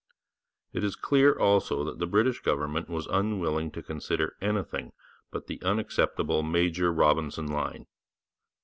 It is clear also that the British government was unwilling to consider anything but the unacceptable Major Robinson line.